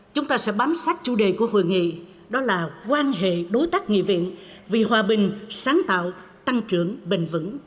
chúng ta sẽ bám sát chủ đề của hội nghị đó là quan hệ đối tác nghị viện vì hòa bình sáng tạo tăng trưởng bền vững